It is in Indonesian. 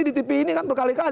di tv ini kan berkali kali